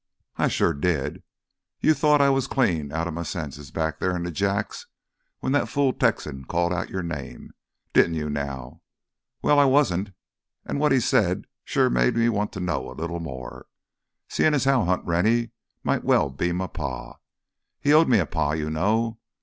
"I sure did! You thought I was clean outta m' senses back there in th' Jacks when that fool Texan called out your name—didn't you now? Well, I wasn't an' what he said sure made me want to know a little more—seein' as how Hunt Rennie might well be m' pa. He owed me a Pa, you know.